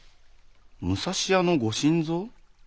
武蔵屋のご新造？